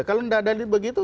kalau tidak ada begitu